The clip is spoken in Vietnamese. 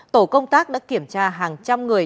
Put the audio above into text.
tổ công tác đã kiểm tra hàng trăm người